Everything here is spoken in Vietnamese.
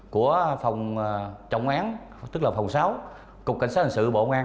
của phòng trọng án tức là phòng sáu cục cảnh sát hình sự bộ ngoan